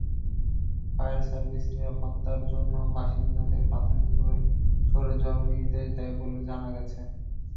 Fire service নিরাপত্তার জন্য বাসিন্দাদের প্রাথমিকভাবে সরে যাওয়ার নির্দেশ দেয় বলে জানা গেছে।